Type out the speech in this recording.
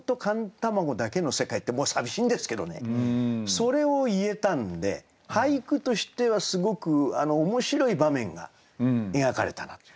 それを言えたんで俳句としてはすごく面白い場面が描かれたなという。